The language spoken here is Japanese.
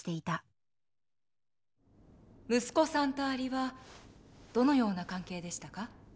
息子さんとアリはどのような関係でしたか？